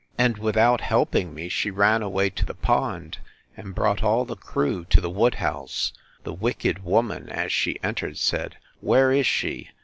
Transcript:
And, without helping me, she ran away to the pond, and brought all the crew to the wood house.—The wicked woman, as she entered, said, Where is she?